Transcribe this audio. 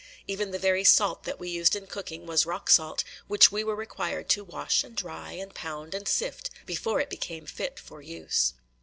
Even the very salt that we used in cooking was rock salt, which we were required to wash and dry and pound and sift, before it became fit for use.